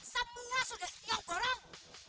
semua sudah yang borong